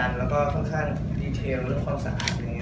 ขั้นตอนเยอะกว่าที่เราเอาเข้าใจนะระดับหนึ่งเนี่ย